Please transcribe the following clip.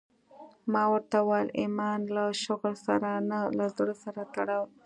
ما ورته وويل ايمان له شغل سره نه له زړه سره تړلى وي.